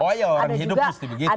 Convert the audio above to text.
oh iya orang hidup pasti begitu